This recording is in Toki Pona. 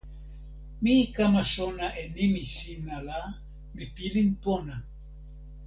mi kama sona e nimi sina la, mi pilin pona!